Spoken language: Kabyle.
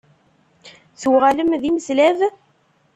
Tuɣalem d imeslab?